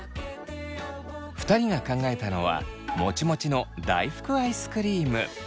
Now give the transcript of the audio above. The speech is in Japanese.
２人が考えたのはモチモチの大福アイスクリーム。